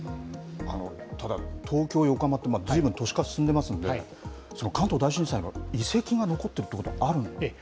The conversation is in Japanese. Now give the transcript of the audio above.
ただ、東京、横浜って、ずいぶん都市化、進んでますんで、関東大震災の遺跡が残ってるっていうことはあるんですか？